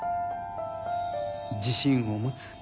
自信を持つ。